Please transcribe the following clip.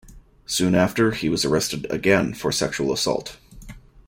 Soon after, he was arrested again for sexual assault.